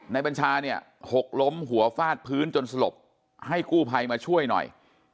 บัญชาเนี่ยหกล้มหัวฟาดพื้นจนสลบให้กู้ภัยมาช่วยหน่อย